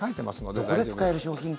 どこで使える商品券？